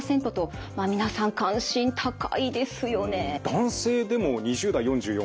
男性でも２０代４４。